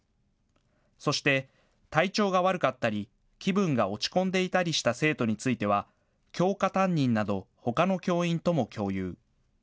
そして、体調が悪かったり、気分が落ち込んでいたりした生徒については、教科担任など、ほかの教員とも共有。